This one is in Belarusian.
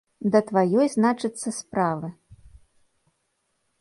Да тваёй, значыцца, справы.